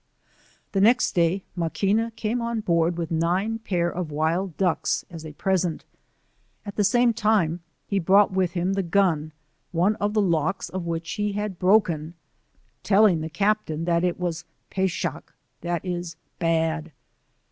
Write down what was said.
The next day Maqaina came on board with nine pair of wild ducks, as a present, at the same time be bronght with him the gun, one of the locks of which he had broken, telling the Captain that it wsispeshak, that is bad.